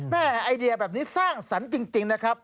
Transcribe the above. ไอเดียแบบนี้สร้างสรรค์จริงนะครับ